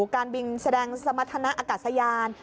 การบินแสดงสมรรถนะอากาศยาน